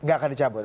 gak akan dicabut